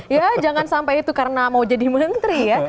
ya jangan sampai itu karena mau jadi menteri ya